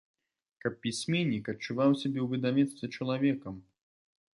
Каб пісьменнік адчуваў сябе ў выдавецтве чалавекам!